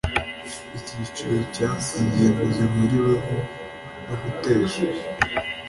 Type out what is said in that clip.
icyiciro cya ingingo zihuriweho ku gutesha